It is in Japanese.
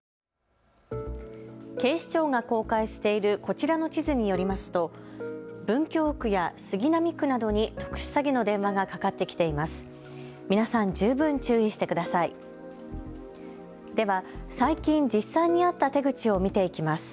警視庁が公開しているこちらの地図によりますと文京区や杉並区などに特殊詐欺の電話がかかってきています。